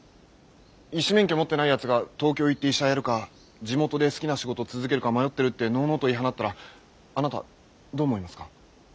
医師免許持ってないやつが東京行って医者やるか地元で好きな仕事続けるか迷ってるってのうのうと言い放ったらあなたどう思いますか？